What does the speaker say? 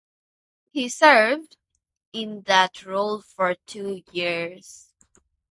He served in that role for two years.